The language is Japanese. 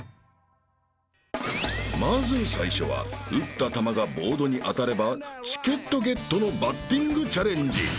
［まず最初は打った球がボードに当たればチケットゲットのバッティングチャレンジ］